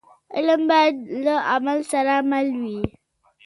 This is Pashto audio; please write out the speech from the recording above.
علم باید له عمل سره مل وي.